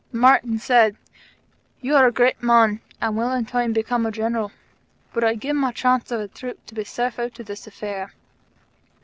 Martyn said: "you are a great man and will in time become a General; but I'd give my chance of a troop to be safe out of this affair."